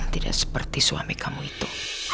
tidak seperti suami kamu itu